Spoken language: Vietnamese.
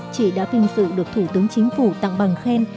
chị đã phim sự được thủ tướng chính phủ tặng bằng khen